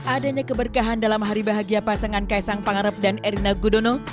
adanya keberkahan dalam hari bahagia pasangan kaisang pangarep dan erina gudono